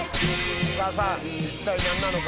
さぁさぁ一体何なのか。